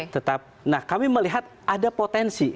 tetap nah kami melihat ada potensi